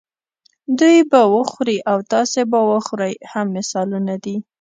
دوی به وخوري او تاسې به وخورئ هم مثالونه دي.